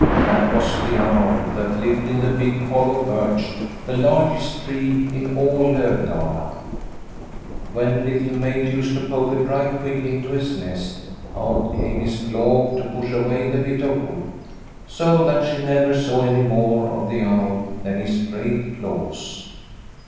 That was the owl that lived in the big hollow birch, the largest tree in all Lovdala. When Little Maid used to poke a dry twig into his nest, out came his claw to push away A Spring Evening 205 the bit of wood, so that she never saw any more of the owl than his great claws.